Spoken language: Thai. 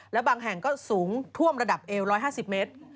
และบางแห่งก็สูงท่วมระดับเอว๑๕๐เมตร